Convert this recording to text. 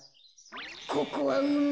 ここはうみ。